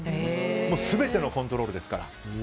全てのコントロールですから。